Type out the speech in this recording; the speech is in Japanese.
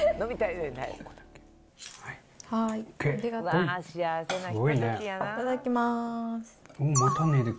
いただきます。